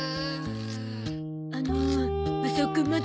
あのマサオくんまだ？